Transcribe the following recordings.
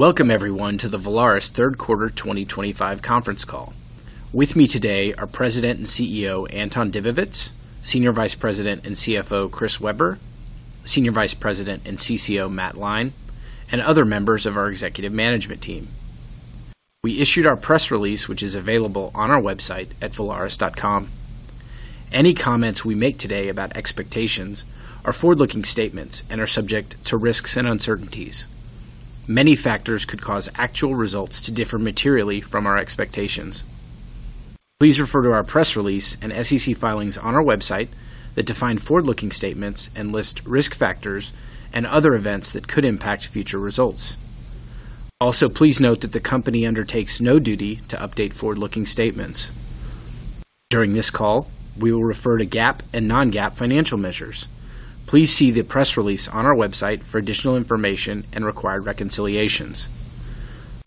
Welcome everyone to the Valaris third quarter 2025 conference call. With me today are President and CEO Anton Dibowitz, Senior Vice President and CFO Chris Weber, Senior Vice President and CCO Matt Lyne, and other members of our Executive Management team. We issued our press release, which is available on our website at valaris.com. Any comments we make today about expectations are forward-looking statements and are subject to risks and uncertainties. Many factors could cause actual results to differ materially from our expectations. Please refer to our press release and SEC filings on our website that define forward-looking statements and list risk factors and other events that could impact future results. Also, please note that the company undertakes no duty to update forward-looking statements. During this call we will refer to GAAP and non-GAAP financial measures. Please see the press release on our website for additional information and required reconciliations.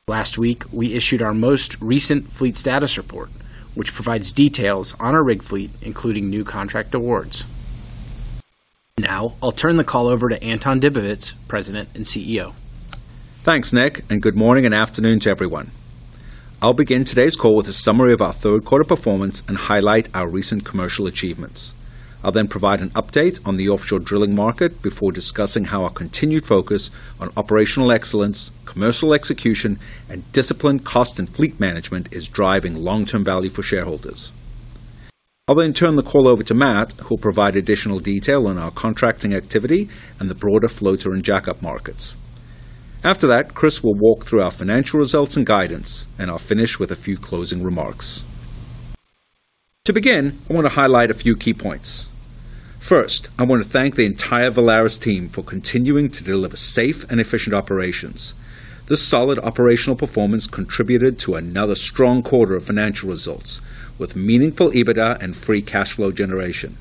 Last week we issued our most recent Fleet Status Report, which provides details on our rig fleet including new contract awards. Now I'll turn the call over to Anton Dibowitz, President and CEO. Thanks, Nick, and good morning and afternoon to everyone. I'll begin today's call with a summary of our third quarter performance and highlight our recent commercial achievements. I'll then provide an update on the offshore drilling market before discussing how our continued focus on operational excellence, commercial execution, and disciplined cost and fleet management is driving long term value for shareholders. I'll then turn the call over to Matt, who will provide additional detail on our contracting activity and the broader floater and jackup markets. After that, Chris will walk through our financial results and guidance, and I'll finish with a few closing remarks. To begin, I want to highlight a few key points. First, I want to thank the entire Valaris team for continuing to deliver safe and efficient operations. This solid operational performance contributed to another strong quarter of financial results with meaningful EBITDA and free cash flow generation.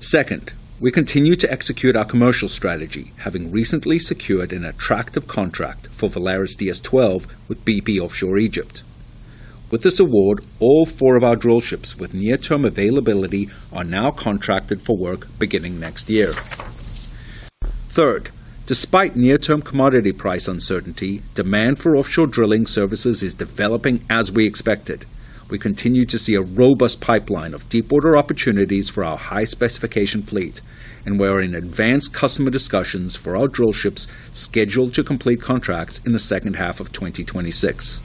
Second, we continue to execute our commercial strategy, having recently secured an attractive contract for Valaris DS-12 with BP Offshore Egypt. With this award, all four of our drillships with near term availability are now contracted for work beginning next year. Third, despite near term commodity price uncertainty, demand for offshore drilling services is developing. As we expected, we continue to see a robust pipeline of deepwater opportunities for our high specification fleet, and we are in advanced customer discussions for our drillships scheduled to complete contracts in the second half of 2026.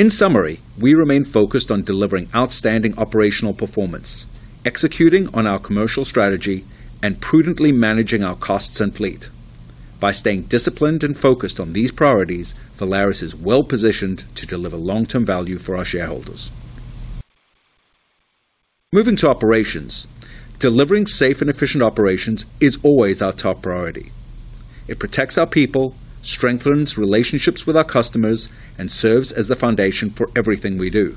In summary, we remain focused on delivering outstanding operational performance, executing on our commercial strategy, and prudently managing our costs and fleet. By staying disciplined and focused on these priorities, Valaris is well positioned to deliver long term value for our shareholders. Moving to operations, delivering safe and efficient operations is always our top priority. It protects our people, strengthens relationships with our customers, and serves as the foundation for everything we do.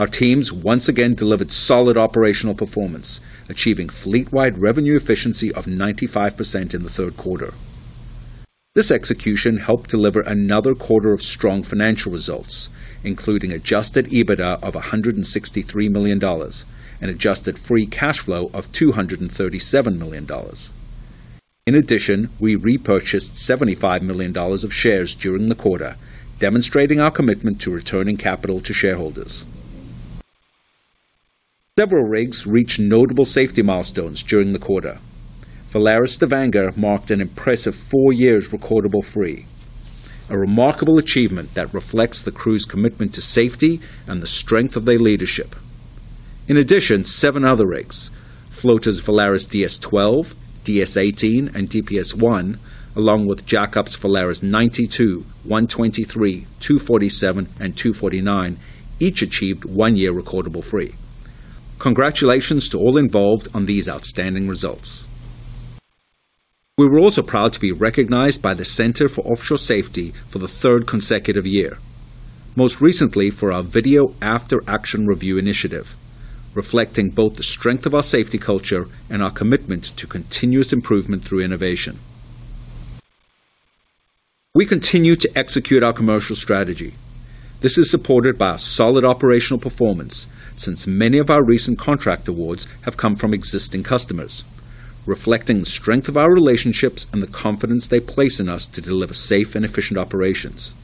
Our teams once again delivered solid operational performance, achieving fleet-wide revenue efficiency of 95% in the third quarter. This execution helped deliver another quarter of strong financial results, including adjusted EBITDA of $163 million and adjusted free cash flow of $237 million. In addition, we repurchased $75 million of shares during the quarter, demonstrating our commitment to returning capital to shareholders. Several rigs reached notable safety milestones during the quarter. Valaris Stavanger marked an impressive four years recordable free, a remarkable achievement that reflects the crew's commitment to safety and the strength of their leadership. In addition, seven other rigs, floaters Valaris DS-12, DS-18, and DPS-1, along with jackups Valaris 92, 123, 247, and 249, each achieved one year recordable free. Congratulations to all involved on these outstanding results. We were also proud to be recognized by the Center for Offshore Safety for the third consecutive year, most recently for our Video After Action Review initiative, reflecting both the strength of our safety culture and our commitment to continuous improvement through innovation. We continue to execute our commercial strategy. This is supported by our solid operational performance since many of our recent contract awards have come from existing customers, reflecting the strength of our relationships and the confidence they place in us to deliver safe and efficient operations.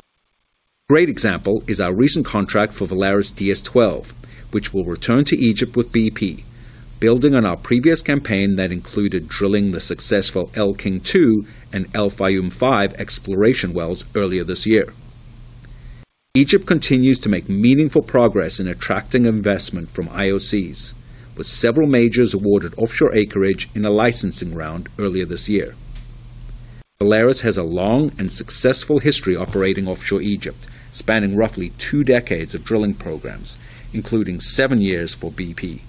A great example is our recent contract for Valaris DS-12, which will return to Egypt with BP,, building on our previous campaign that included drilling the successful El King 2 and El Fayum 5 exploration wells earlier this year. Egypt continues to make meaningful progress in attracting investment from IOCs, with several majors awarded offshore acreage in a licensing round earlier this year. Valaris has a long and successful history operating offshore Egypt, spanning roughly two decades of drilling programs, including seven years for BP.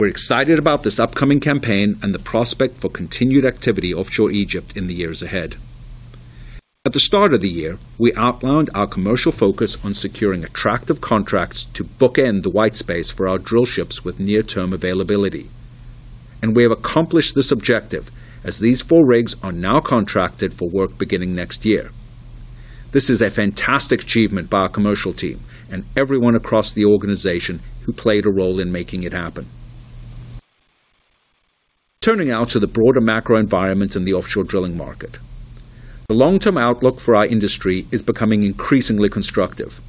We're excited about this upcoming campaign and the prospect for continued activity offshore Egypt in the years ahead. At the start of the year, we outlined our commercial focus on securing attractive contracts to bookend the white space for our drillships with near term availability, and we have accomplished this objective as these four rigs are now contracted for work beginning next year. This is a fantastic achievement by our commercial team and everyone across the organization who played a role in making it happen. Turning now to the broader macro-environment in the offshore drilling market, the long term outlook for our industry is becoming increasingly constructive.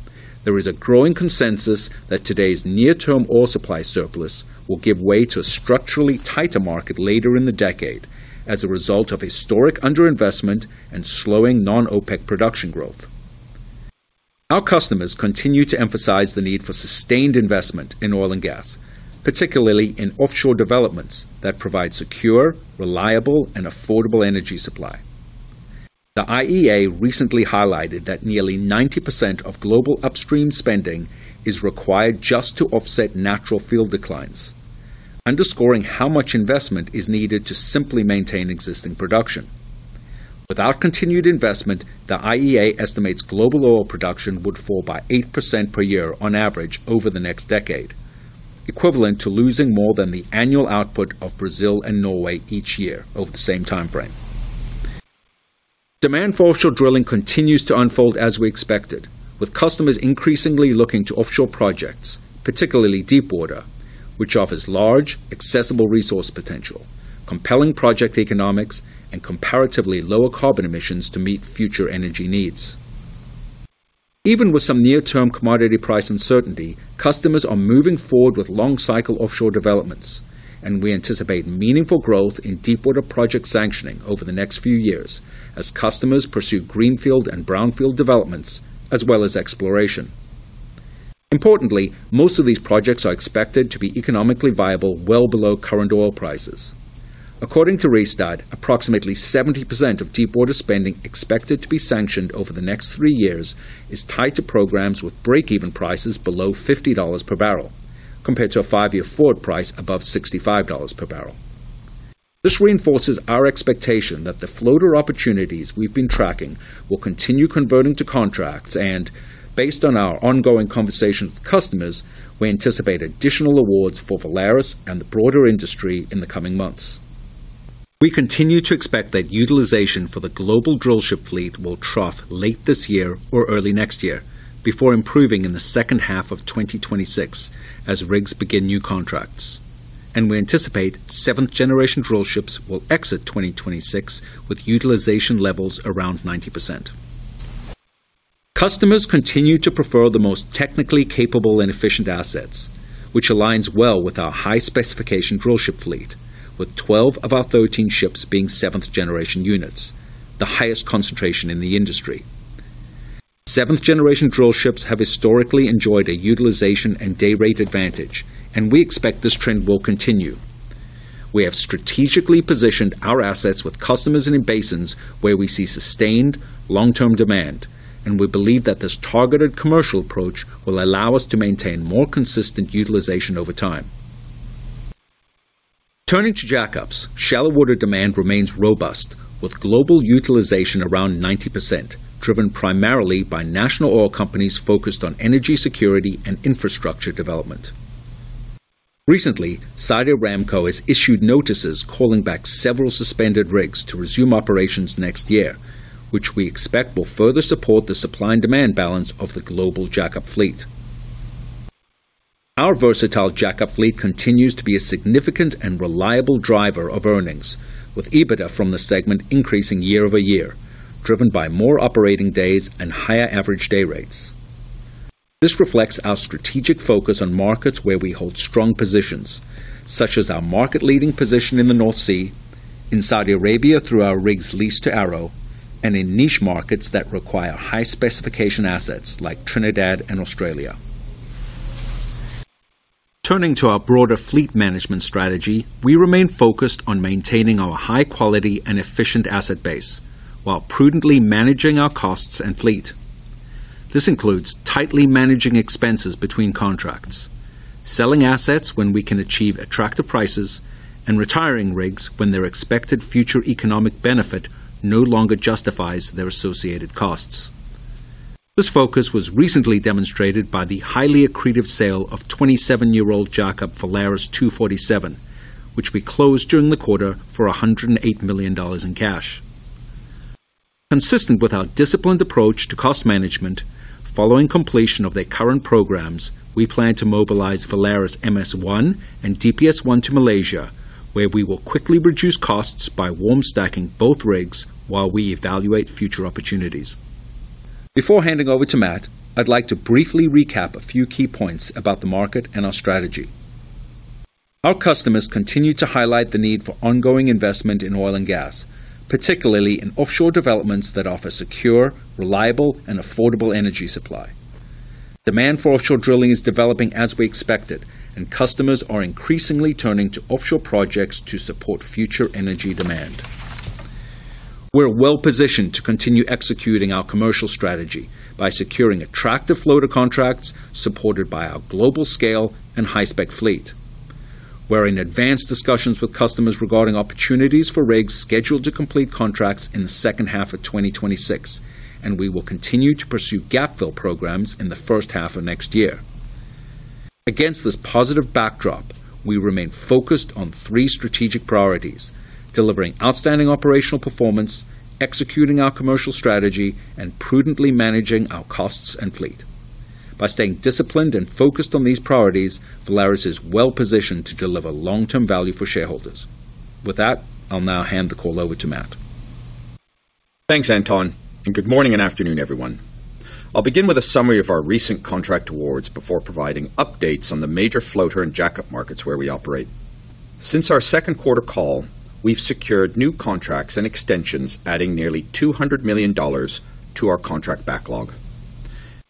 There is a growing consensus that today's near-term oil supply surplus will give way to a structurally tighter market later in the decade as a result of historic underinvestment and slowing non-OPEC production growth. Our customers continue to emphasize the need for sustained investment in oil and gas, particularly in offshore developments that provide secure, reliable, and affordable energy supply. The IEA recently highlighted that nearly 90% of global upstream spending is required just to offset natural field declines, underscoring how much investment is needed to simply maintain existing production. Without continued investment, the IEA estimates global oil production would fall by 8% per year on average over the next decade, equivalent to losing more than the annual output of Brazil and Norway each year over the same time frame. Demand for offshore drilling continues to unfold as we expected, with customers increasingly looking to offshore projects, particularly deepwater, which offers large accessible resource potential, compelling project economics, and comparatively lower carbon emissions to meet future energy needs. Even with some near-term commodity price uncertainty, customers are moving forward with long-cycle offshore developments and we anticipate meaningful growth in deepwater project sanctioning over the next few years as customers pursue greenfield and brownfield developments as well as exploration. Importantly, most of these projects are expected to be economically viable well below current oil prices. According to Rystad, approximately 70% of deepwater spending expected to be sanctioned over the next three years is tied to programs with breakeven prices below $50 per barrel compared to a five-year forward price above $65/bbl. This reinforces our expectation that the floater opportunities we've been tracking will continue converting to contracts and based on our ongoing conversations with customers, we anticipate additional awards for Valaris and the broader industry in the coming months. We continue to expect that utilization for the global drillship fleet will trough late this year or early next year before improving in the second half of 2026 as rigs begin new contracts and we anticipate seventh-generation drillships will exit 2026 with utilization levels around 90%. Customers continue to prefer the most technically capable and efficient assets, which aligns well with our high-specification drillship fleet. With 12 of our 13 ships being seventh generation units, the highest concentration in the industry. Seventh generation drillships have historically enjoyed a utilization and day rate advantage, and we expect this trend will continue. We have strategically positioned our assets with customers and in basins where we see sustained long term demand, and we believe that this targeted commercial approach will allow us to maintain more consistent utilization over time. Turning to jackups, shallow water demand remains robust with global utilization around 90%, driven primarily by national oil companies focused on energy security and infrastructure development. Recently, Saudi Aramco has issued notices calling back several suspended rigs to resume operations next year, which we expect will further support the supply and demand balance of the global jackup fleet. Our versatile jackup fleet continues to be a significant and reliable driver of earnings, with EBITDA from the segment increasing year-over-year driven by more operating days and higher average day rates. This reflects our strategic focus on markets where we hold strong positions, such as our market leading position in the North Sea, in Saudi Arabia through our rigs leased to Aramco, and in niche markets that require high specification assets like Trinidad and Australia. Turning to our broader fleet management strategy, we remain focused on maintaining our high quality and efficient asset base while prudently managing our costs and fleet. This includes tightly managing expenses between contracts, selling assets when we can achieve attractive prices, and retiring rigs when their expected future economic benefit no longer justifies their associated costs. This focus was recently demonstrated by the highly accretive sale of 27-year-old jackup Valaris 247, which we closed during the quarter for $108 million in cash, consistent with our disciplined approach to cost management. Following completion of their current programs, we plan to mobilize Valaris MS-1 and DPS-1 to Malaysia, where we will quickly reduce costs by warm stacking both rigs while we evaluate future opportunities. Before handing over to Matt, I'd like to briefly recap a few key points about the market and our strategy. Our customers continue to highlight the need for ongoing investment in oil and gas, particularly in offshore developments that offer secure, reliable, and affordable energy supply. Demand for offshore drilling is developing as we expected, and customers are increasingly turning to offshore projects to support future energy demand. We're well positioned to continue executing our commercial strategy by securing attractive floater contracts supported by our global scale and high-spec fleet. We're in advanced discussions with customers regarding opportunities for rigs scheduled to complete contracts in the second half of 2026, and we will continue to pursue gap fill programs in the first half of next year. Against this positive backdrop, we remain focused on three strategic priorities: delivering outstanding operational performance, executing our commercial strategy, and prudently managing our costs and fleet. By staying disciplined and focused on these priorities, Valaris is well positioned to deliver long-term value for shareholders. With that, I'll now hand the call over to Matt. Thanks Anton and good morning and afternoon everyone. I'll begin with a summary of our recent contract awards before providing updates on the major floater and jackup markets where we operate. Since our second quarter call, we've secured new contracts and extensions adding nearly $200 million to our contract backlog,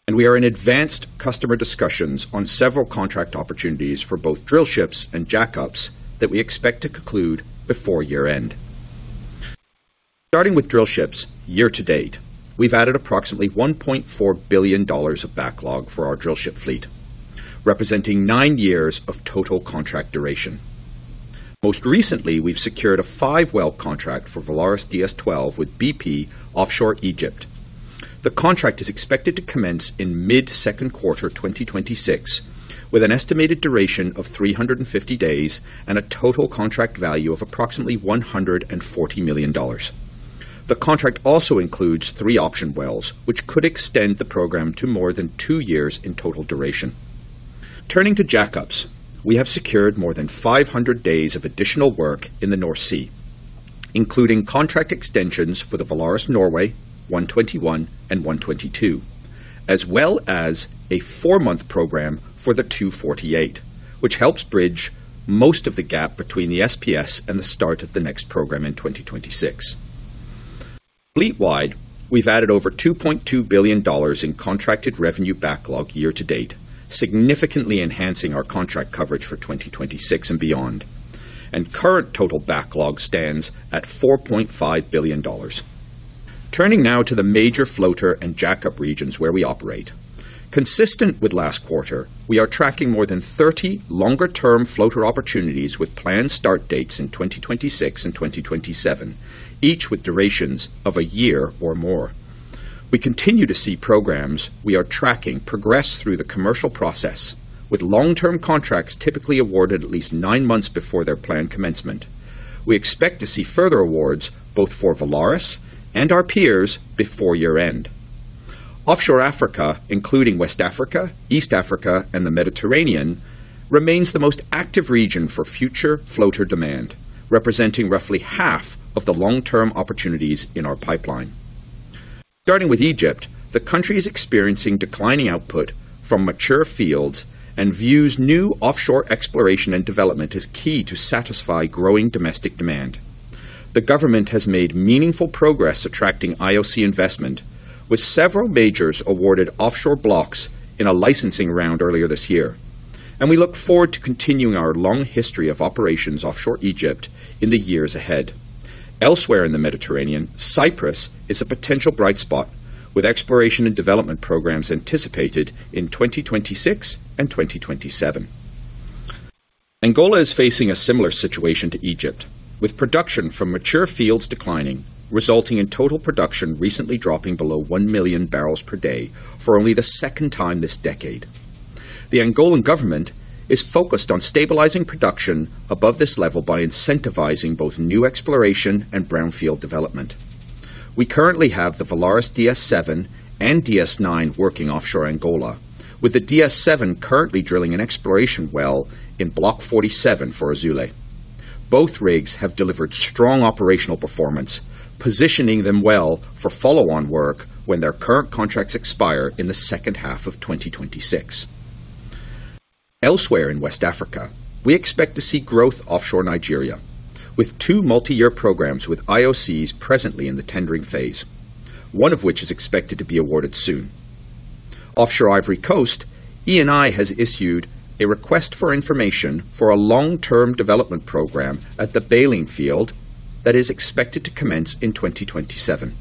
and we are in advanced customer discussions on several contract opportunities for both drillships and jackups that we expect to conclude before year end. Starting with drillships, year to date we've added approximately $1.4 billion of backlog for our drillship fleet, representing nine years of total contract duration. Most recently, we've secured a five well contract for Valaris DS-12 with BP Offshore Egypt. The contract is expected to commence in mid second quarter 2026 with an estimated duration of 350 days and a total contract value of approximately $140 million. The contract also includes three option wells, which could extend the program to more than two years in total duration. Turning to jackups, we have secured more than 500 days of additional work in the North Sea, including contract extensions for the Valaris Norway 121 and 122, as well as a four month program for the 248, which helps bridge most of the gap between the SPS and the start of the next program in 2026. Fleet-wide, we've added over $2.2 billion in contracted revenue backlog year to date, significantly enhancing our contract coverage for 2026 and beyond, and current total backlog stands at $4.5 billion. Turning now to the major floater and jackup regions where we operate, consistent with last quarter, we are tracking more than 30 longer term floater opportunities with planned start dates in 2026 and 2027, each with durations of a year or more. We continue to see programs we are tracking progress through the commercial process, with long term contracts typically awarded at least nine months before their planned commencement. We expect to see further awards both for Valaris and our peers before year end. Offshore Africa, including West Africa, East Africa, and the Mediterranean, remains the most active region for future floater demand, representing roughly half of the long term opportunities in our pipeline. Starting with Egypt, the country is experiencing declining output from mature fields and views new offshore exploration and development as key to satisfy growing domestic demand. The government has made meaningful progress attracting IOC investment with several majors awarded offshore blocks in a licensing round earlier this year, and we look forward to continuing our long history of operations offshore Egypt in the years ahead. Elsewhere in the Mediterranean, Cyprus is a potential bright spot with exploration and development programs anticipated in 2026 and 2027. Angola is facing a similar situation to Egypt with production from mature fields declining, resulting in total production recently dropping below 1 MMbpd for only the second time this decade. The Angolan government is focused on stabilizing production above this level by incentivizing both new exploration and brownfield development. We currently have the Valaris DS-7 and DS-9 working offshore Angola, with the DS-7 currently drilling an exploration well in Block 47 for Azule. Both rigs have delivered strong operational performance, positioning them well for follow-on work when their current contracts expire in the second half of 2026. Elsewhere in West Africa, we expect to see growth offshore Nigeria with two multi-year programs with IOCs presently in the tendering phase, one of which is expected to be awarded soon. Offshore Ivory Coast, ENI has issued a request for information for a long-term development program at the Baling field that is expected to commence in 2027.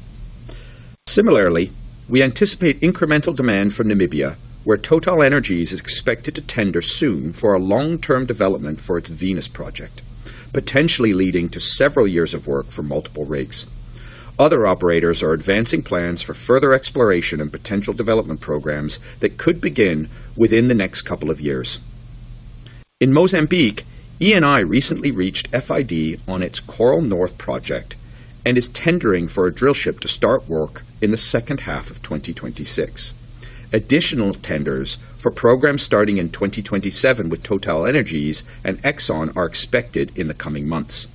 Similarly, we anticipate incremental demand from Namibia, where TotalEnergies is expected to tender soon for a long-term development for its Venus project, potentially leading to several years of work for multiple rigs. Other operators are advancing plans for further exploration and potential development programs that could begin within the next couple of years. In Mozambique, ENI recently reached FID on its Coral North project and is tendering for a drillship to start work in the second half of 2026. Additional tenders for programs starting in 2027 with TotalEnergies and Exxon are expected in the coming months.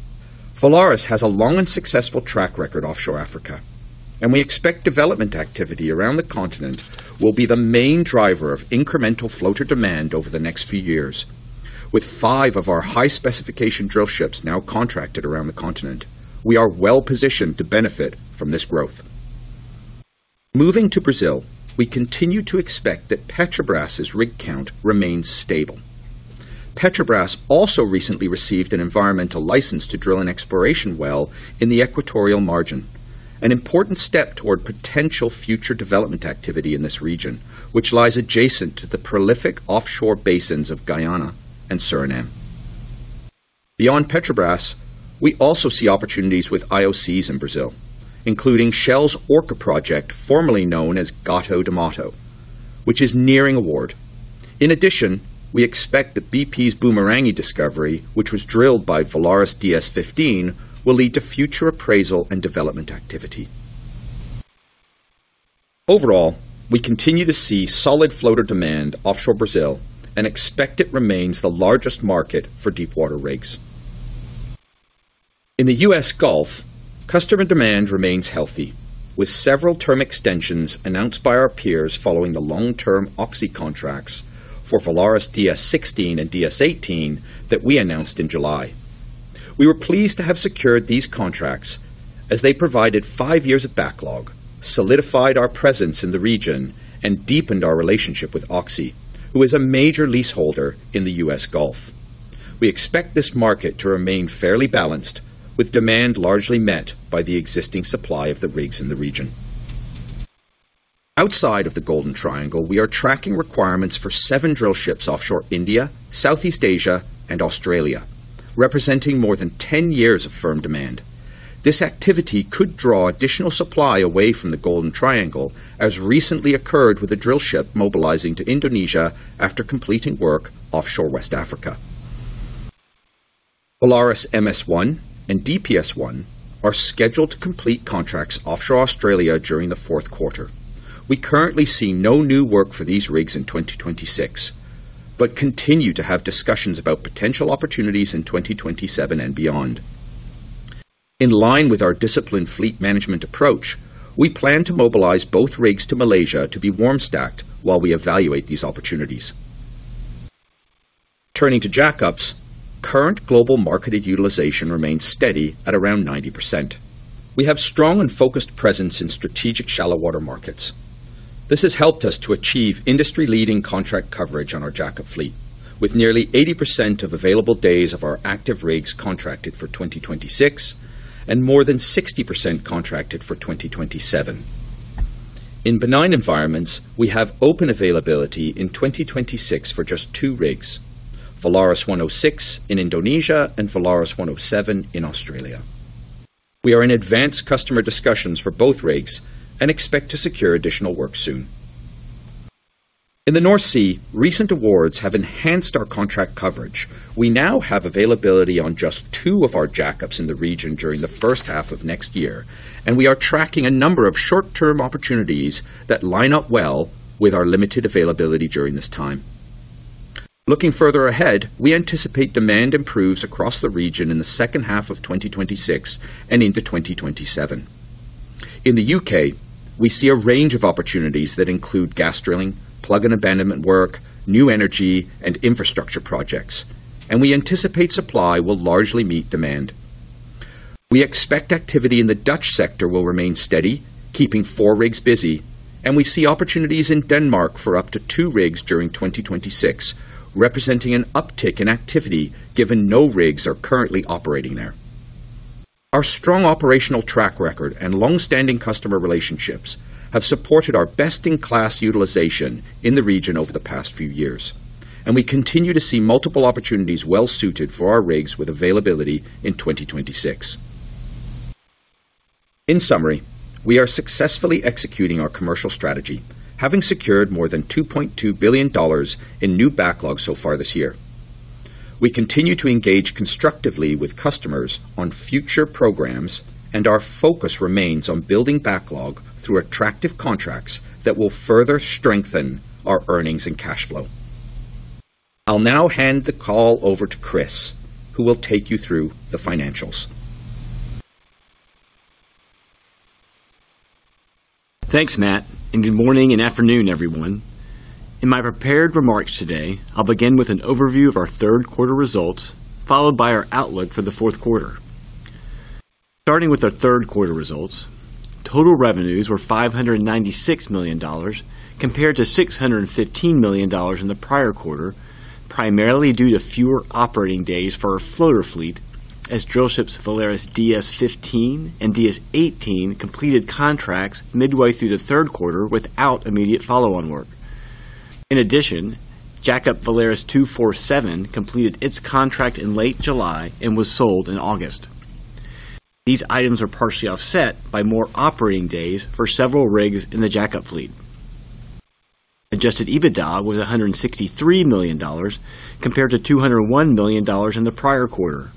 Valaris has a long and successful track record offshore Africa, and we expect development activity around the continent will be the main driver of incremental floater demand over the next few years. With five of our high-specification drillships now contracted around the continent, we are well positioned to benefit from this growth. Moving to Brazil, we continue to expect that Petrobras rig count remains stable. Petrobras also recently received an environmental license to drill an exploration well in the equatorial margin, an important step toward potential future development activity in this region which lies adjacent to the prolific offshore basins of Guyana and Suriname. Beyond Petrobras, we also see opportunities with IOCs in Brazil, including Shell's Orca project, formerly known as Gato d'Amato, which is nearing award. In addition, we expect that BP's Boomeranghi discovery, which was drilled by Valaris DS-15, will lead to future appraisal and development activity. Overall, we continue to see solid floater demand offshore Brazil and expect it remains the largest market for deepwater rigs outside the U.S. Gulf. Customer demand remains healthy with several term extensions announced by our peers following the large long-term Oxy contracts for Valaris DS-16 and DS-18 that we announced in July. We were pleased to have secured these contracts as they provided five years of backlog, solidified our presence in the region, and deepened our relationship with Oxy, who is a major leaseholder in the U.S. Gulf. We expect this market to remain fairly balanced with demand largely met by the existing supply of the rigs in the region. Outside of the Golden Triangle, we are tracking requirements for seven drillships offshore India, Southeast Asia, and Australia, representing more than 10 years of firm demand. This activity could draw additional supply away from the Golden Triangle as recently occurred with a drillship mobilizing to Indonesia after completing work offshore West Africa. Polaris MS-1 and DPS-1 are scheduled to complete contracts offshore Australia during the fourth quarter. We currently see no new work for these rigs in 2026, but continue to have discussions about potential opportunities in 2027 and beyond. In line with our disciplined fleet management approach, we plan to mobilize both rigs to Malaysia to be warm stacked while we evaluate these opportunities. Turning to jackups, current global marketed utilization remains steady at around 90%. We have strong and focused presence in strategic shallow-water markets. This has helped us to achieve industry-leading contract coverage on our jackup fleet with nearly 80% of available days of our active rigs contracted for 2026 and more than 60% contracted for 2027. In benign environments, we have open availability in 2026 for just two: Valaris 106 in Indonesia and Valaris 107 in Australia. We are in advance customer discussions for both rigs and expect to secure additional work soon in the North Sea. Recent awards have enhanced our contract coverage. We now have availability on just two of our jackups in the region during the first half of next year, and we are tracking a number of short-term opportunities that line up well with our limited availability during this time. Looking further ahead, we anticipate demand improves across the region in the second half of 2026 and into 2027. In the U.K., we see a range of opportunities that include gas drilling, plug and abandonment work, new energy and infrastructure projects, and we anticipate supply will largely meet demand. We expect activity in the Dutch sector will remain steady, keeping four rigs busy, and we see opportunities in Denmark for up to 2 rigs during 2026, representing an uptick in activity given no rigs are currently operating there. Our strong operational track record and long-standing customer relationships have supported our best-in-class utilization in the region over the past few years, and we continue to see multiple opportunities well suited for our rigs with availability in 2026. In summary, we are successfully executing our commercial strategy, having secured more than $2.2 billion in new backlog so far this year. We continue to engage constructively with customers on future programs, and our focus remains on building backlog through attractive contracts that will further strengthen our earnings and cash flow. I'll now hand the call over to Chris, who will take you through the financials. Thanks Matt and good morning and afternoon everyone. In my prepared remarks today, I'll begin with an overview of our third quarter results followed by our outlook for the fourth quarter. Starting with our third quarter results, total revenues were $596 million compared to $615 million in the prior quarter, primarily due to fewer operating days for our floater fleet as drillships Valaris DS-15 and DS-18 completed contracts midway through the third quarter without immediate follow-on work. In addition, jackup Valaris 247 completed its contract in late July and was sold in August. These items are partially offset by more operating days for several rigs in the jackup fleet. Adjusted EBITDA was $163 million compared to $201 million in the prior quarter.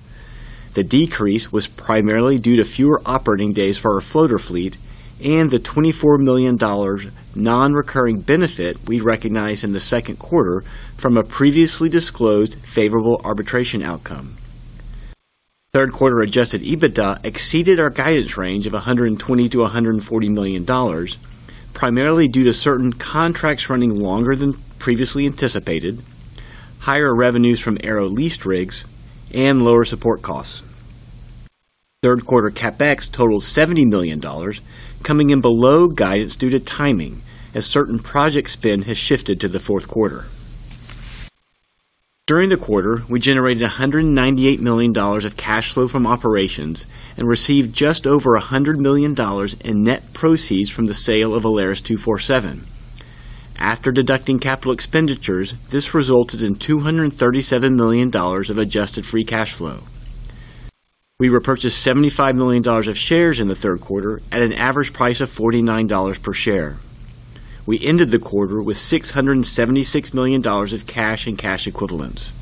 The decrease was primarily due to fewer operating days for our floater fleet and the $24 million non-recurring benefit we recognized in the second quarter from a previously disclosed favorable arbitration outcome. Third quarter adjusted EBITDA exceeded our guidance range of $120 million-$140 million primarily due to certain contracts running longer than previously anticipated, higher revenues from bareboat leased rigs, and lower support costs. Third quarter CapEx totaled $70 million, coming in below guidance due to timing as certain project spend has shifted to the fourth quarter. During the quarter, we generated $198 million of cash flow from operations and received just over $100 million in net proceeds from the sale of Valaris 247. After deducting capital expenditures, this resulted in $237 million of adjusted free cash flow. We repurchased $75 million of shares in the third quarter at an average price of $49/share. We ended the quarter with $676 million of cash and cash equivalents.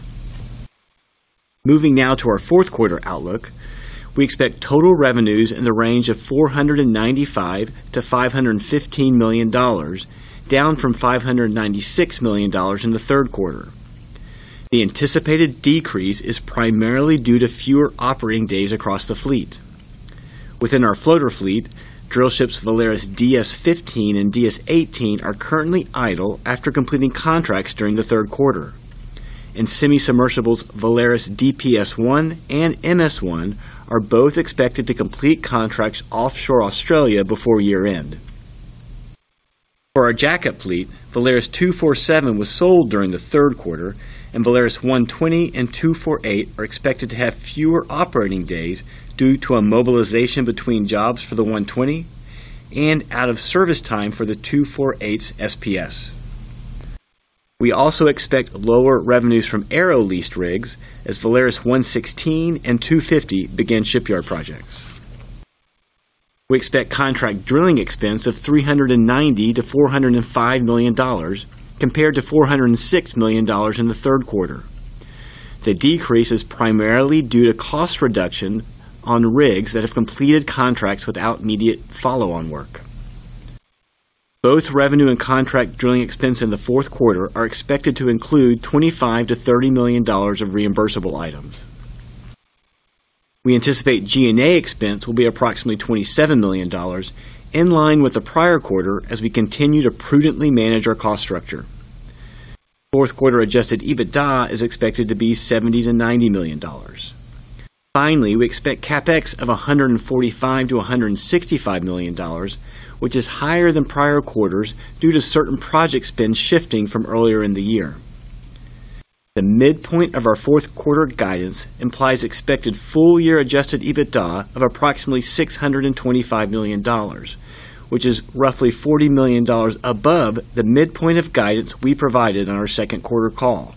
Moving now to our fourth quarter outlook, we expect total revenues in the range of $495 million-$515 million, down from $596 million in the third quarter. The anticipated decrease is primarily due to fewer operating days across the fleet. Within our floater fleet, drillships Valaris DS-15 and DS-18 are currently idle after completing contracts during the third quarter, and semisubmersibles Valaris DPS-1 and MS-1 are both expected to complete contracts offshore Australia before year end. For our jackup fleet, Valaris 247 was sold during the third quarter and Valaris 120 and 248 are expected to have fewer operating days due to a mobilization between jobs for the 120 and out of service time for the 248 SPS. We also expect lower revenues from arrow leased rigs as Valaris 116 and 250 began shipyard projects. We expect contract drilling expense of $390 million-$405 million compared to $406 million in the third quarter. The decrease is primarily due to cost reduction on rigs that have completed contracts without immediate follow-on work. Both revenue and contract drilling expense in the fourth quarter are expected to include $25 million-$30 million of reimbursable items. We anticipate G&A expense will be approximately $27 million, in line with the prior quarter as we continue to prudently manage our cost structure. Fourth quarter adjusted EBITDA is expected to be $70 million-$90 million. Finally, we expect CapEx of $145 million-$165 million, which is higher than prior quarters due to certain project spend shifting from earlier in the year. The midpoint of our fourth quarter guidance implies expected full year adjusted EBITDA of approximately $625 million, which is roughly $40 million above the midpoint of guidance we provided on our second quarter call.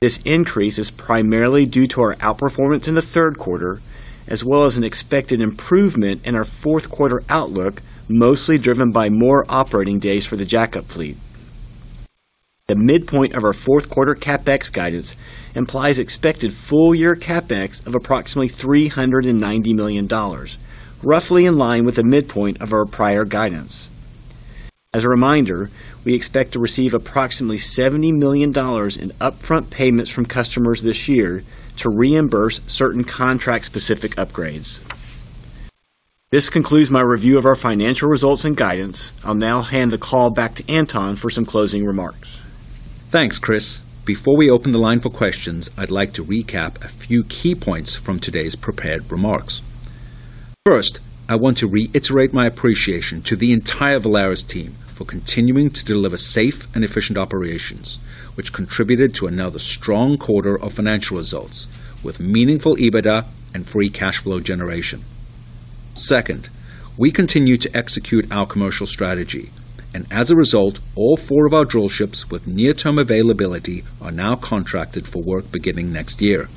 This increase is primarily due to our outperformance in the third quarter as well as an expected improvement in our fourth quarter outlook, mostly driven by more operating days for the jackup fleet. The midpoint of our fourth quarter CapEx guidance implies expected full year CapEx of approximately $390 million, roughly in line with the midpoint of our prior guidance. As a reminder, we expect to receive approximately $70 million in upfront payments from customers this year to reimburse certain contract-specific upgrades. This concludes my review of our financial results and guidance. I'll now hand the call back to Anton for some closing remarks. Thanks, Chris. Before we open the line for questions, I'd like to recap a few key points from today's prepared remarks. First, I want to reiterate my appreciation to the entire Valaris team for continuing to deliver safe and efficient operations, which contributed to another strong quarter of financial results with meaningful EBITDA and free cash flow generation. Second, we continue to execute our commercial strategy, and as a result, all four of our drillships with near-term availability are now contracted for work beginning next year.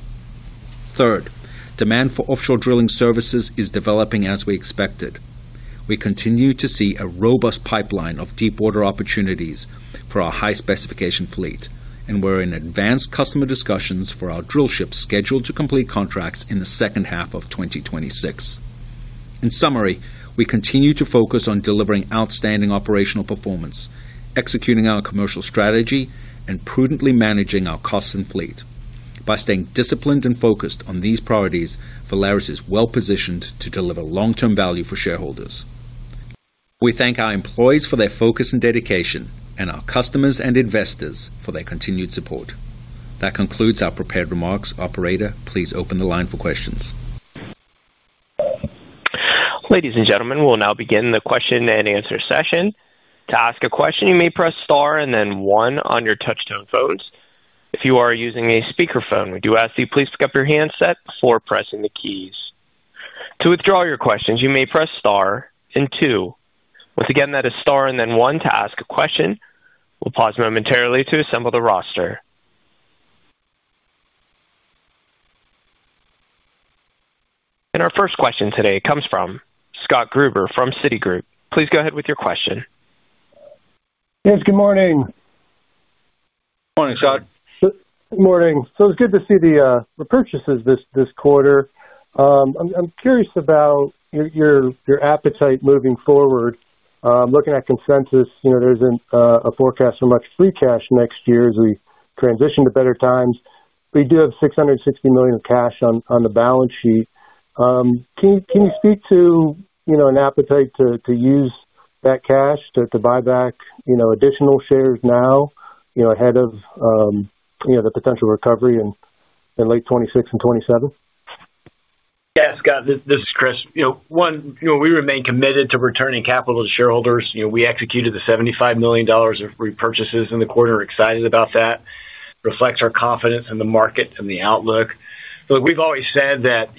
Third, demand for offshore drilling services is developing as we expected. We continue to see a robust pipeline of deepwater opportunities for our high-specification fleet, and we're in advanced customer discussions for our drillship scheduled to complete contracts in the second half of 2026. In summary, we continue to focus on delivering outstanding operational performance, executing our commercial strategy, and prudently managing our costs and fleet. By staying disciplined and focused on these priorities, Valaris is well positioned to deliver long-term value for shareholders. We thank our employees for their focus and dedication and our customers and investors for their continued support. That concludes our prepared remarks. Operator, please open the line for questions. Ladies and gentlemen, we'll now begin the question and answer session. To ask a question, you may press star and then one on your touchtone phones. If you are using a speakerphone, we do ask that you please pick up your handset before pressing the keys. To withdraw your questions, you may press star and two. Once again, that is star and then one to ask a question. We'll pause momentarily to assemble the roster. Our first question today comes from Scott Gruber from Citigroup. Please go ahead with your question. Yes, good morning. Morning, Scott. Good morning. It's good to see the repurchases this quarter. I'm curious about your appetite moving forward, looking at consensus. You know, there's a forecast for much free cash next year as we transition to better times. We do have $660 million of cash on the balance sheet. Can you speak to an appetite to use that cash to buy back additional shares now ahead of the potential recovery in late 2016 and 2027? Yes. Scott, this is Chris. We remain committed to returning capital to shareholders. We executed the $75 million of repurchases in the quarter. Excited about that reflects our confidence in the market and the outlook. Look, we've always said that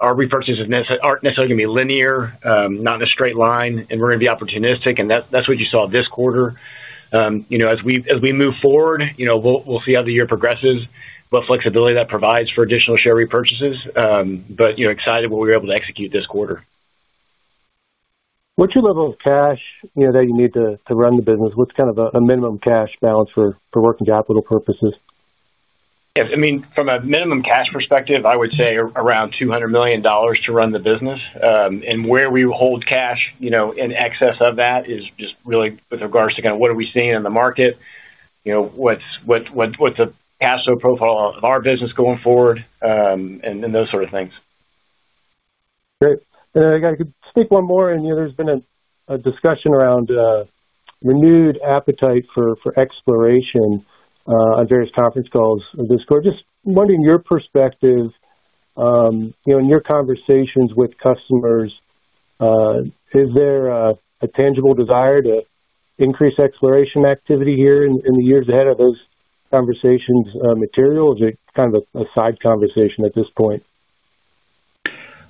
our repurchases aren't necessarily going to be linear, not in a straight line, and we're going to be opportunistic. That's what you saw this quarter. As we move. Forward, you know, we'll see how the year progresses, what flexibility that provides for additional share repurchases. You know, excited what we were able to execute this quarter. What's your level of cash, you know, that you need to run the business? What's kind of a minimum cash balance for working capital purposes? I mean, from a minimum cash perspective, I would say around $200 million to run the business. Where we hold cash in excess of that is just really with regards. To what are we seeing in the market, what's the cash flow profile of our business going forward? Those sort of things. Great. I could speak one more. There's been a discussion around renewed appetite for exploration on various conference calls this quarter. Just wondering your perspective, you know, in your conversations with customers. Is there a tangible desire to increase exploration activity here in the years ahead? Are those conversations material? Is it kind of a side conversation at this point?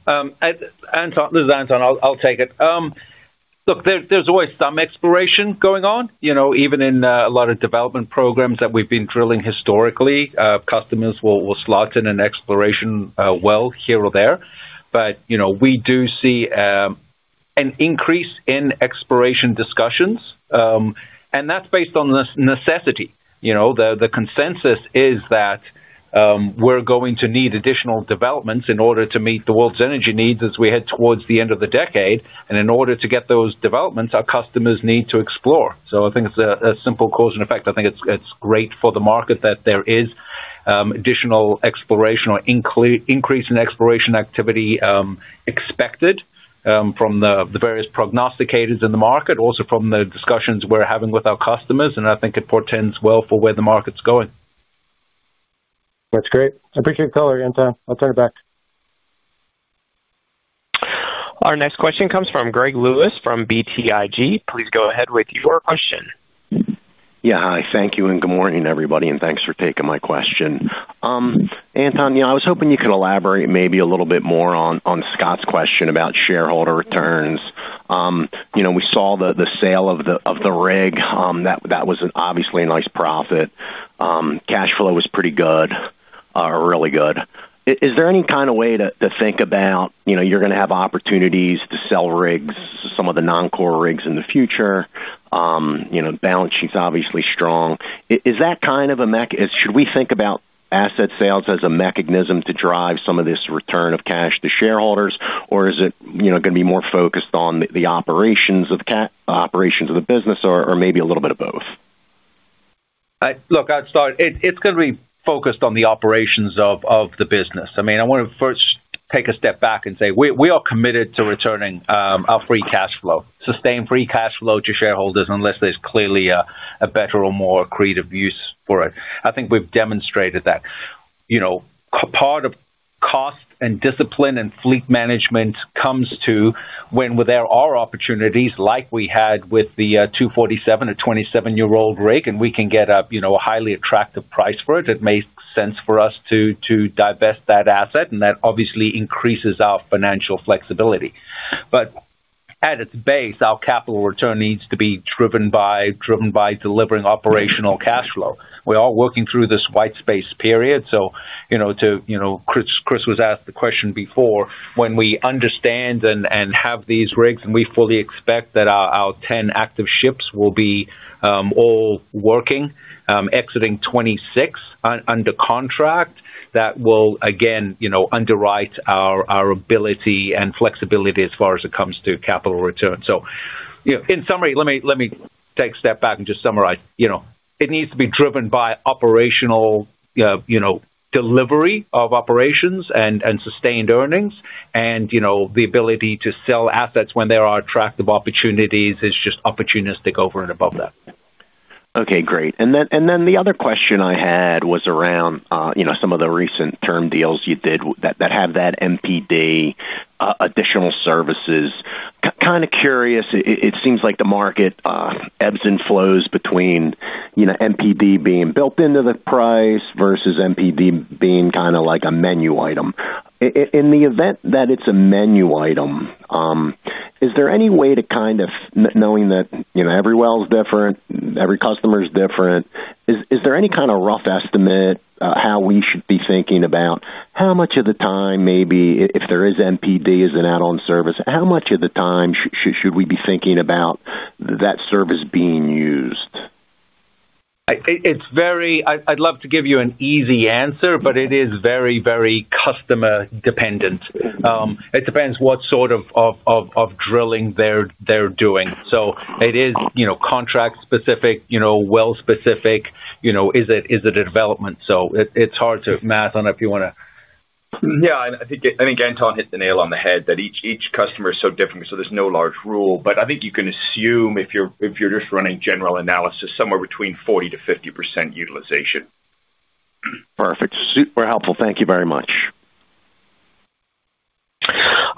This is Anton, I'll take it. Look, there's always some exploration going on. Even in a lot of development programs that we've been drilling historically, customers will slot in an exploration well here or there. We do see an increase in exploration discussions and that's based on this necessity. The consensus is that we're going to need additional developments in order to meet the world's energy needs as we head towards the end of the decade. In order to get those developments, our customers need to explore. I think it's a simple cause and effect. I think it's great for the market that there is additional exploration or increase in exploration activity expected from the various prognosticators in the market, also from the discussions we're having with our customers. I think it portends well for where the market's going. That's great. I appreciate the color, Anton. I'll turn it back. Our next question comes from Greg Lewis from BTIG. Please go ahead with your question. Yeah, hi. Thank you and good morning everybody and thanks for taking my question. Anton, I was hoping you could elaborate maybe a little bit more on Scott's question about shareholder returns. We saw the sale of the rig. That was an obviously nice profit. Cash flow was pretty good, really good. Is there any kind of way to think about you're going to have opportunities to sell rigs, some of the non-core rigs in the future? Balance sheet is obviously strong. Is that kind of a, should we think about asset sales as a mechanism to drive some of this return of cash to shareholders or is it going to be more focused on the operations of cash operations of the business or maybe a little bit of both? Look, I'd start it's going to be focused on the operations of the business. I mean I want to first take a step back and say we are committed to returning our free cash flow, sustained free cash flow to shareholders unless there's clearly a better or more accretive use for it. I think we've demonstrated that part of cost and discipline and fleet management comes to when there are opportunities like we had with the Valaris 247, a 27-year-old rig, and we can get up, you know, a highly attractive price for it, it makes sense for us to divest that asset and that obviously increases our financial flexibility. At its base our capital return needs to be driven by delivering operational cash flow. We are working through this white space period. Chris was asked the question before. When we understand and have these rigs and we fully expect that our 10 active ships will be all working, exiting 2026 under contract, that will again underwrite our ability and flexibility as far as it comes to capital returns. In summary, let me take a step back and just summarize. It needs to be driven by operational delivery of operations and sustained earnings and the ability to sell assets when there are tractable opportunities is just opportunistic over and above that. Okay, great. The other question I had was around some of the recent term deals you did that have that MPD additional services. Kind of curious. It seems like the market ebbs and flows between MPD being built into the price vs MPD being kind of like a menu item. In the event that it's a menu item, is there any way to, knowing that every well is different, every customer is different, is there any kind of rough estimate how we should be thinking about how much of the time, maybe if there is MPD as an add-on service, how much of the time should we be thinking about that service being used? I'd love to give you an easy answer, but it is very, very customer dependent. It depends what sort of drilling they're doing. It is, you know, contract specific, well specific, you know, is it a development? It's hard to math on if you want to. Yeah, I think Anton hit the nail on the head that each customer is so different. There's no large rule, but I think you can assume if you're just running general analysis, somewhere between 40%-50% utilization. Perfect. Super helpful. Thank you very much.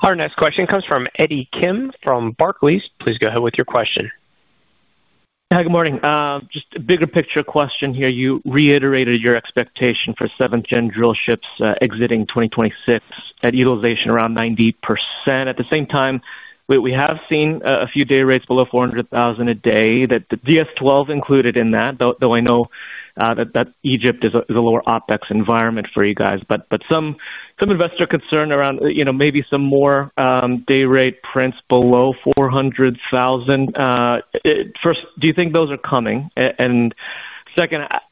Our next question comes from Eddie Kim from Barclays. Please go ahead with your question. Hi, good morning. Just a bigger picture question here. You reiterated your expectation for seventh-generation drillships exiting 2026 at utilization around 90%. At the same time, we have seen a few day rates below $400,000 a day, the Valaris DS-12 included in that though. I know that Egypt is a lower OpEx environment for you guys, but some investor concern around maybe some more day rate prints below $400,000. First, do you think those are coming? Second,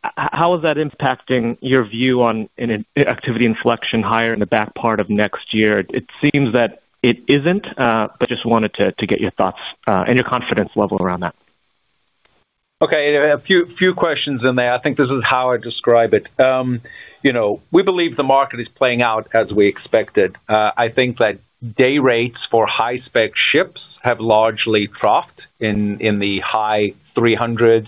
how is that impacting your view on activity inflection higher in the back part of next year? It seems that it isn't, but just wanted to get your thoughts and your confidence level around that. Okay, a few questions in there. I think this is how I describe it. We believe the market is playing out as we expected. I think that day rates for high spec ships have largely troughed in the high $300,000s,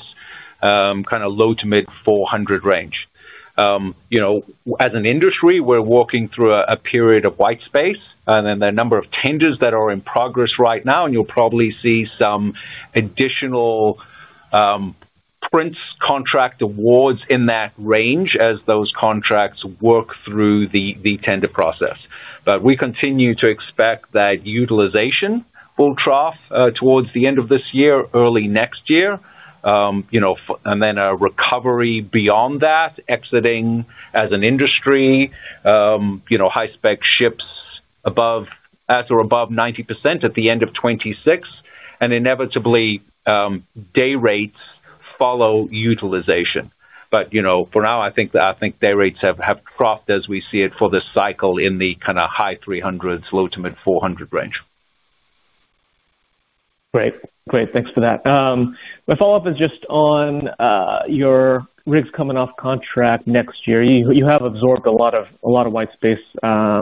kind of low to mid $400,000 range. As an industry, we're walking through a period of white space, and then the number of tenders that are in progress right now, you'll probably see some additional contract awards in that range as those contracts work through the tender process. We continue to expect that utilization will trough towards the end of this year, early next year, you know, and then a recovery beyond that, exiting as an industry, you know, high spec ships at or above 90% at the end of 2026, and inevitably day rates follow utilization. For now, I think day rates have troughed as we see it for this cycle in the high $300,000s. Low to mid $400 million range. Great, great. Thanks for that. My follow up is just on your rigs coming off contract next year. You have absorbed a lot of widespread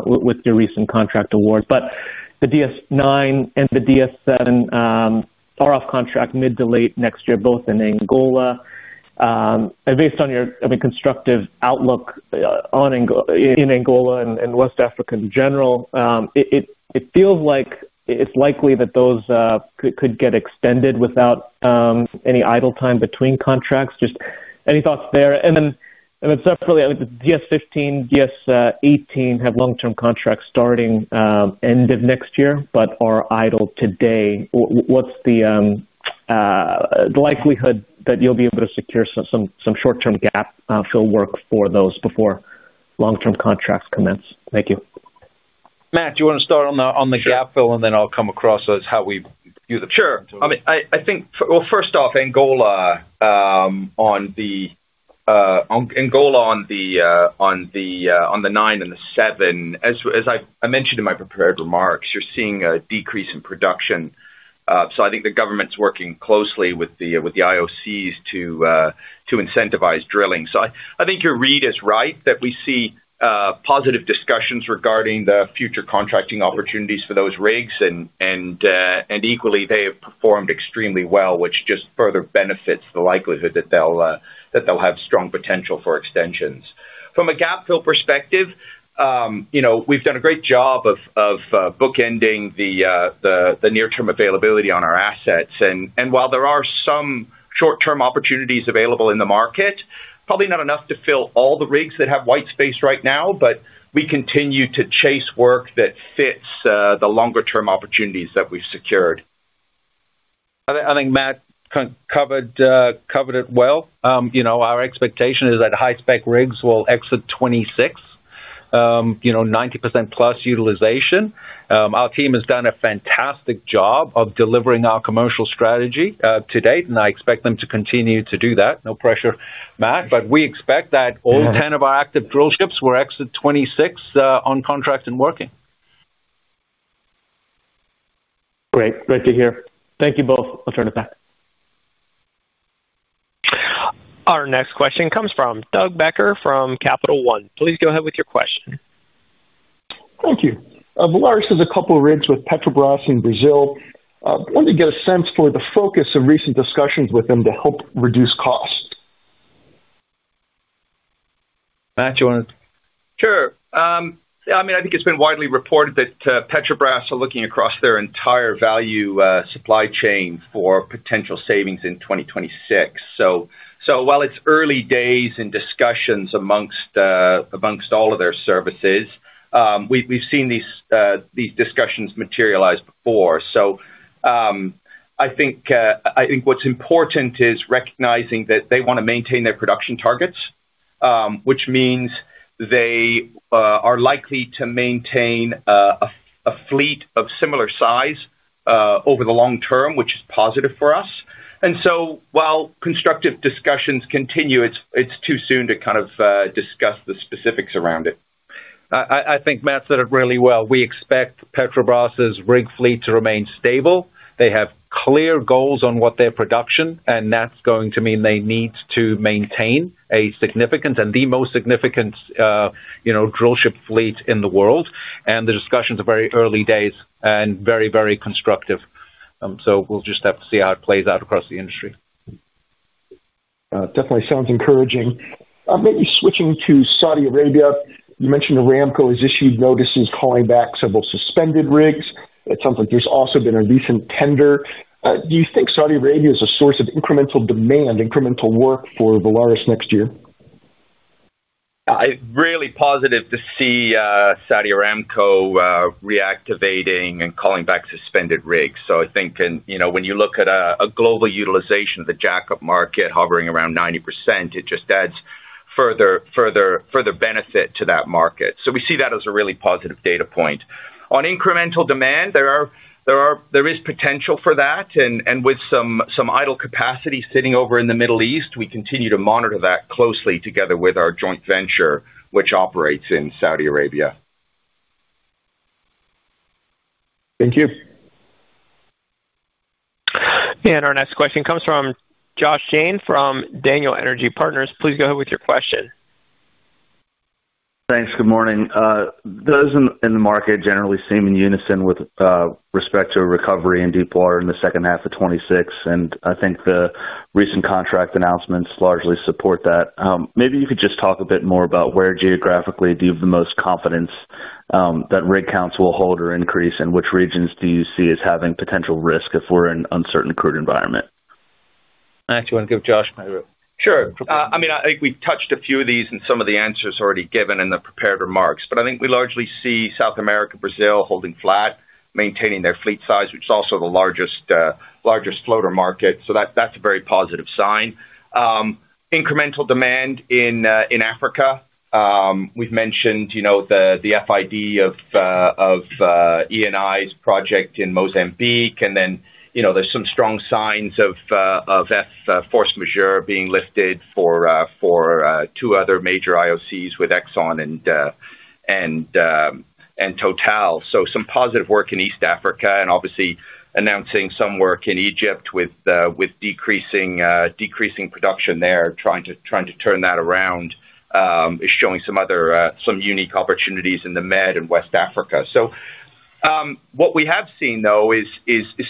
with your recent contract award. The DS9 and the DS7 are off contract mid to late next year, both in Angola. Based on your constructive outlook in Angola and West Africa in general, it feels like it's likely that those could get extended without any idle time between contracts. Any thoughts there, and then GS15, GS18 have long term contracts starting end of next year but are idle today. What's the likelihood that you'll be able to secure some short term gap fill work for those before long term contracts commence? Thank you. Matt do you want to start on the gap fill, and then I'll come across as how we view. Sure. First off, Angola on the nine and the seven. As I mentioned in my prepared remarks, you're seeing a decrease in production. I think the government's working closely with the IOCs to incentivize drilling. I think your read is right that we see positive discussions regarding the future contracting opportunities for those rigs, and equally they have performed extremely well, which just further benefits the likelihood that they'll have strong potential for extensions from a gap fill perspective. We've done a great job of bookending the near term availability on our assets. While there are some short term opportunities available in the market, probably not enough to fill all the rigs that have white space right now. We continue to chase work that fits the longer term opportunities that we've secured. I think Matt covered it well. You know, our expectation is that high spec rigs will exit 2026, you know, 90%+ utilization. Our team has done a fantastic job of delivering our commercial strategy to date, and I expect them to continue to do that. No pressure, Matt, but we expect that all 10 of our active drillships will exit 2026 on contract and working. Great, great to hear. Thank you both. I'll turn it back. Our next question comes from Doug Becker from Capital One. Please go ahead with your question. Thank you. Valaris has a couple rigs with Petrobras in Brazil wanted to get a sense for the focus of recent discussions with them to help reduce costs? Matt, you want to. Sure. I think it's been widely reported that Petrobras are looking across their entire value supply chain for potential savings in 2026. While it's early days and discussions amongst all of their services, we've seen these discussions materialize before. I think what's important is recognizing that they want to maintain their production targets, which means they are likely to maintain a fleet of similar size over the long term, which is positive for us. While constructive discussions continue, it's too soon to discuss the specifics around it. I think Matt said it really well. We expect Petrobras rig fleet to remain stable. They have clear goals on what their production is and that's going to mean they need to maintain a significant and the most significant drillship fleet in the world. The discussions are very early days and very, very constructive. We'll just have to see how it plays out across the industry. Definitely sounds encouraging. Maybe switching to Saudi Arabia. You mentioned Saudi Aramco has issued notices calling back several suspended rigs. It sounds like there's also been a recent tender. Do you think Saudi Arabia is a source of incremental demand, incremental work for Valaris next year? Really positive to see Saudi Aramco reactivating and calling back suspended rigs. I think, you know, when you look at a global utilization of the jackup market hovering around 90%, it just adds further benefit to that market. We see that as a really positive data point on incremental demand. There is potential for that. With some idle capacity sitting over in the Middle East, we continue to monitor that closely together with our joint venture which operates in Saudi Arabia. Thank you. Our next question comes from Josh Jayne from Daniel Energy Partners, please go ahead with your question. Thanks. Good morning. Those in the market generally seem in unison with respect to a recovery in deepwater in 2H 2026. I think the recent contract announcements largely support that. Maybe you could just talk a bit more about where geographically you have the most confidence that rig counts will hold or increase, and which regions you see as having potential risk if we're in an uncertain current environment? Do you want to give Josh? Sure. I mean, I think we touched a few of these in some of the answers already given in the prepared remarks. I think we largely see South America, Brazil holding flat, maintaining their fleet size, which is also the largest floater market. That's a very positive sign. Incremental demand in Africa. We've mentioned the FID of ENI's project in Mozambique. There are some strong signs of force majeure being lifted for two other major IOCs with Exxon and Total. Some positive work in East Africa and obviously announcing some work in Egypt with decreasing production there, trying to turn that around, is showing some other unique opportunities in the Mediterranean and West Africa. What we have seen though is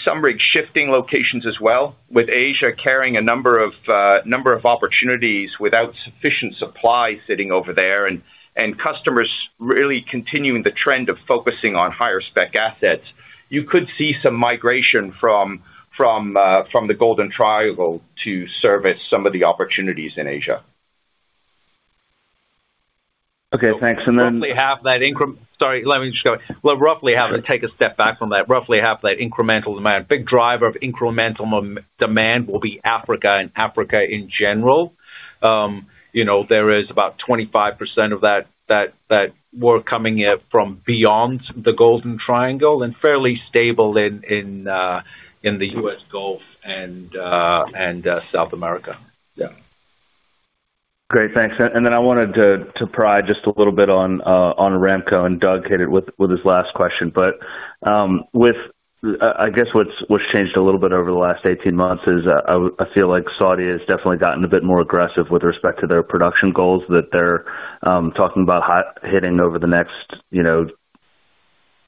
some rig shifting locations as well. With Asia carrying a number of opportunities without sufficient supply sitting over there and customers really continuing the trend of focusing on higher spec assets, you could see some migration from the Golden Triangle to service some of the opportunities in Asia. Okay, thanks. Roughly half that incremental demand, big driver of incremental demand will be Africa and Africa in general. There is about 25% of that that we're coming from beyond the Golden Triangle and fairly stable in the. U.S. Gulf and South America. Great, thanks. I wanted to pry just a little bit on Aramco, and Doug hit it with his last question. I guess what's changed a little bit over the last 18 months is I feel like Saudi has definitely gotten a bit more aggressive with respect to their production goals that they're talking about hitting over the next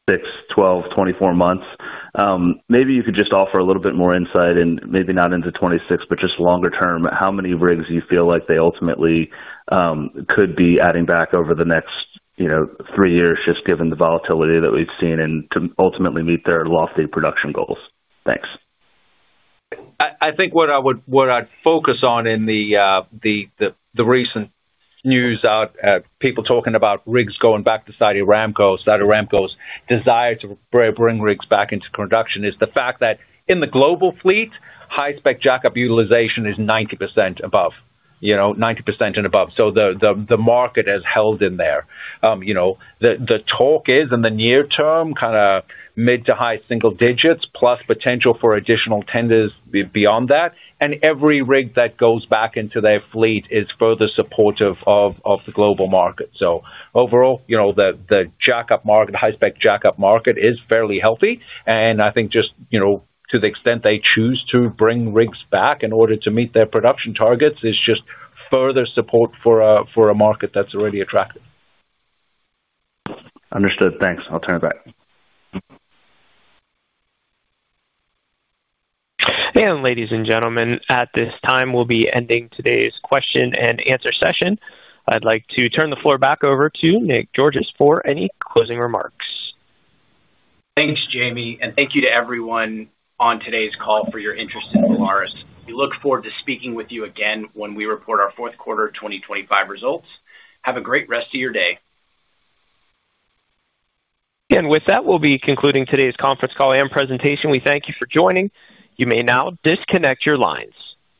6, 12, 24 months. Maybe you could just offer a little bit more insight, and maybe not into 2026, but just longer term, how many rigs you think feel like they ultimately could be adding back over the next three years, just given the volatility that we've seen and to ultimately meet their lofty production goals. Thanks. I think what I'd focus on in the recent news, people talking about rigs going back to Saudi Aramco. Saudi Aramco's desire to bring rigs back into production is the fact that in the global fleet, high spec jackup utilization is 90% and above. The market has held in there. The talk is in the near term kind of mid to high single digits plus potential for additional tenders beyond that. Every rig that goes back into their fleet is further supportive of the global market. Overall, the jackup market, high spec jackup market is fairly healthy. I think just, to the extent they choose to bring rigs back in order to meet their production targets, is just further support for a market that's already attractive. Understood, thanks. I'll turn it back. Ladies and gentlemen, at this time we'll be ending today's question and answer session. I'd like to turn the floor back over to Nick Georgas for any closing remarks. Thanks Jamie. Thank you to everyone on today's call for your interest in Valaris. We look forward to speaking with you again, when we report our fourth quarter 2025 results. Have a great rest of your day. With that, we'll be concluding today's conference call and presentation. We thank you for joining. You may now disconnect your lines.